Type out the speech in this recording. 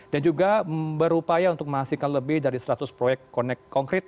dan juga berupaya untuk menghasilkan lebih dari seratus proyek konek konkret